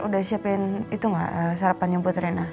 udah siapin itu nggak sarapannya buat rena